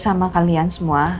sama kalian semua